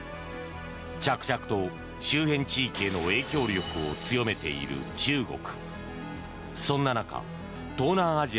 着々と周辺地域への影響力を強めている中国。